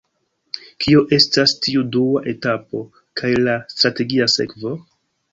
Kio estas tiu dua etapo kaj la strategia sekvo?